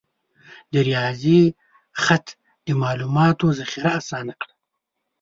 د ریاضي خط د معلوماتو ذخیره آسانه کړه.